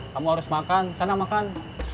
kamu harus makan sana makan